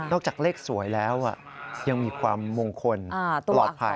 จากเลขสวยแล้วยังมีความมงคลปลอดภัย